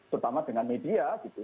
terutama dengan media